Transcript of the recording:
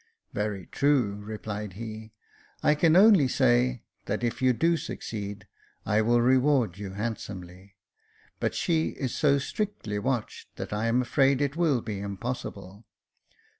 *' Very true," replied he. "I can only say, that if you 326 Jacob Faithful do succeed, I will reward you handsomely ; but she is so strictly watched that I am afraid it will be impossible.